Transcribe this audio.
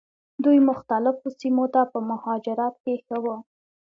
دوی مختلفو سیمو ته په مهاجرت کې ښه وو.